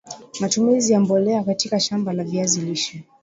matumizi ya mbolea katika shamba la viazi lishe